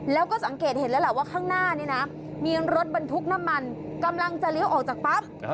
แล้วก็สังเกตเห็นแล้วล่ะว่าข้างหน้านี้นะมีรถบรรทุกน้ำมันกำลังจะเลี้ยวออกจากปั๊บ